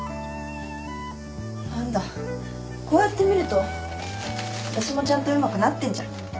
なんだこうやって見るとあたしもちゃんとうまくなってんじゃん。